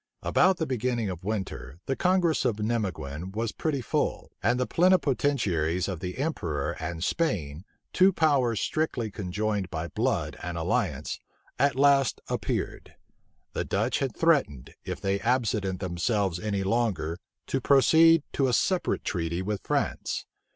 About the beginning of winter, the congress of Nimeguen was pretty full; and the plenipotentiaries of the emperor and Spain, two powers strictly conjoined by blood and alliance, at last appeared. The Dutch had threatened, if they absented themselves any longer, to proceed to a separate treaty with France.